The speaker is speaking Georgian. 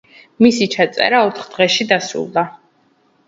მისი ჩაწერა ოთხ დღეში დასრულდა.